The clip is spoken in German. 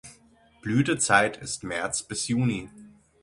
Blütezeit ist März bis Juni.